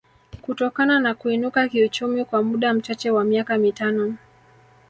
kutokana na kuinuka kiuchumi kwa muda mchache wa miaka mitano